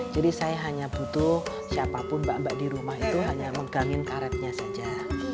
jadi saya hanya butuh siapapun mbak mbak di rumah itu hanya menggangin karetnya saja